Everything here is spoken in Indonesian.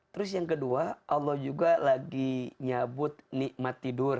terus yang kedua allah juga lagi nyabut nikmat tidur